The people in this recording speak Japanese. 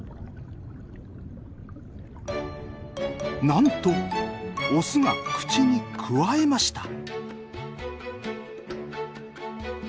なんとオスが口にくわえました！